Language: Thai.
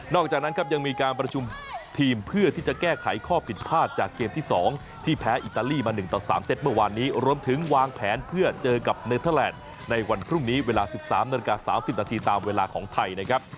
จากนั้นครับยังมีการประชุมทีมเพื่อที่จะแก้ไขข้อผิดพลาดจากเกมที่๒ที่แพ้อิตาลีมา๑ต่อ๓เซตเมื่อวานนี้รวมถึงวางแผนเพื่อเจอกับเนเทอร์แลนด์ในวันพรุ่งนี้เวลา๑๓นาฬิกา๓๐นาทีตามเวลาของไทยนะครับ